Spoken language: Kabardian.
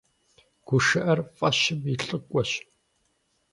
ГушыӀэр фӀэщым и лӀыкӀуэщ.